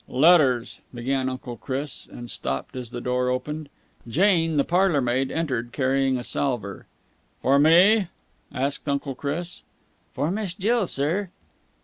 "Letters," began Uncle Chris, and stopped as the door opened. Jane, the parlourmaid, entered, carrying a salver. "For me?" asked Uncle Chris. "For Miss Jill, sir."